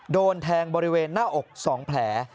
โดนแทงบริเวณหน้าอก๒แผล